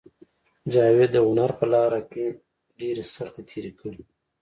جاوید د هنر په لاره کې ډېرې سختۍ تېرې کړې